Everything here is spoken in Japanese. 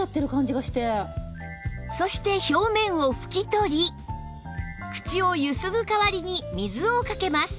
そして表面を拭き取り口をゆすぐ代わりに水をかけます